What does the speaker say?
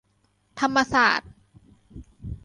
ธรรมศาสตร์